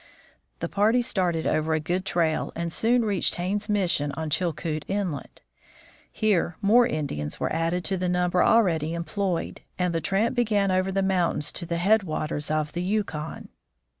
The party started over a good trail and soon reached Haines's mission on Chilkoot inlet. Here more Indians Sitka, Alaska, in 1880. were added to the number already employed, and the tramp began over the mountains to the head waters of the Yukon.